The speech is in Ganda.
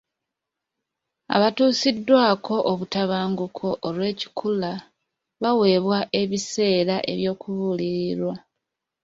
Abatuusiddwako obutabanguko olw'ekikula baweebwa ebiseera eby'okubuulirirwa.